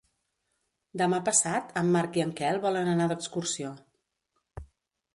Demà passat en Marc i en Quel volen anar d'excursió.